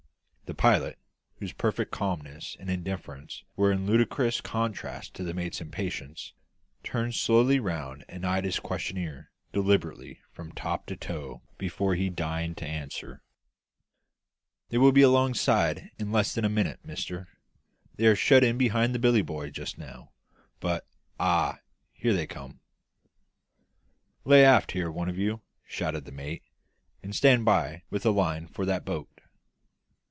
The pilot, whose perfect calmness and indifference were in ludicrous contrast to the mate's impatience, turned slowly round and eyed his questioner deliberately from top to toe before he deigned to answer. "They will be alongside in less than a minute, mister. They are shut in behind that billy boy just now; but Ah, here they come!" "Lay aft here, one of you," shouted the mate, "and stand by with a line for that boat."